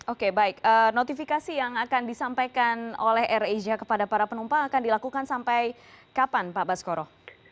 oke baik notifikasi yang akan disampaikan oleh air asia kepada para penumpang akan dilakukan sampai kapan pak baskoro